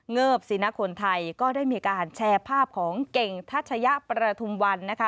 เิบสินคนไทยก็ได้มีการแชร์ภาพของเก่งทัชยะประทุมวันนะคะ